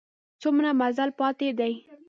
څومره مزل پاته دی؟